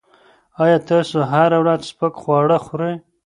ایا تاسو هره ورځ سپک خواړه خوري؟